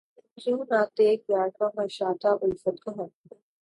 کیوں نہ تیغ یار کو مشاطۂ الفت کہوں